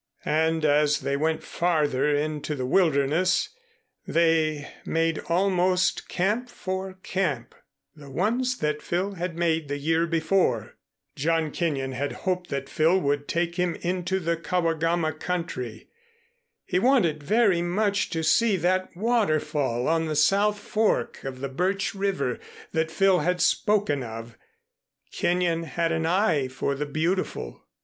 And as they went farther into the wilderness, they made almost camp for camp the ones that Phil had made the year before. John Kenyon had hoped that Phil would take him into the Kawagama country. He wanted very much to see that waterfall on the south fork of the Birch River that Phil had spoken of. Kenyon had an eye for the beautiful.